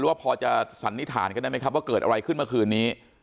ว่าพอจะสันนิษฐานกันได้ไหมครับว่าเกิดอะไรขึ้นเมื่อคืนนี้